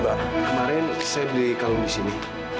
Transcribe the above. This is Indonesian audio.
mbak kemarin saya beli kalung disini